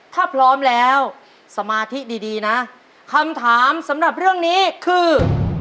ถ้าพร้อมแล้วสมาธิดีดีนะคำถามสำหรับเรื่องนี้คือ